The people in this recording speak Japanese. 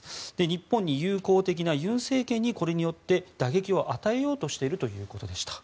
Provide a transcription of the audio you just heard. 日本に友好的な尹政権にこれによって打撃を与えようとしているということでした。